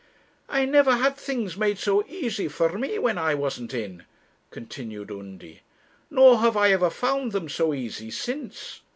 'I never had things made so easy for me when I wasn't in,' continued Undy; 'nor have I ever found them so easy since.